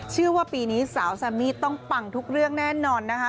เชื่อว่าปีนี้สาวแซมมี่ต้องปังทุกเรื่องแน่นอนนะคะ